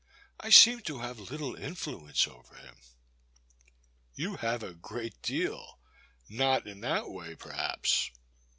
I seem to have little influence over him. You have a great deal — not in that way per haps.